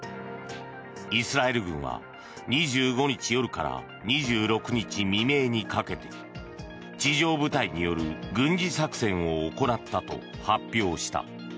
イスラエル軍は２５日夜から２６日未明にかけて地上部隊による軍事作戦を行ったと発表した。